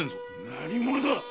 何者だ！